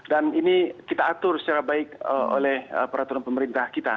dan ini kita atur secara baik oleh peraturan pemerintah kita